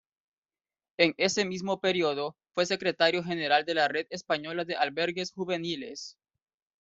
En ese mismo periodo fue secretario general de la Red Española de Albergues Juveniles.